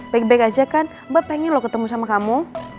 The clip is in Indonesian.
baik baik aja kan mbak pengen loh ketemu sama kamu